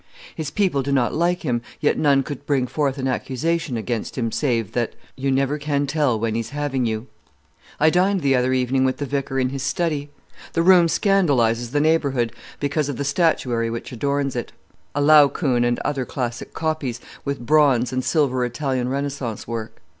His people do not like him, yet none could bring forth an accusation against him, save, that "You never can tell when he's having you." I dined the other evening with the vicar in his study. The room scandalizes the neighbourhood because of the statuary which adorns it: a Laocoön and other classic copies, with bronze and silver Italian Renaissance work.